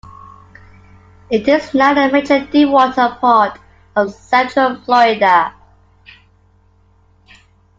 It is now the major deep-water port of Central Florida.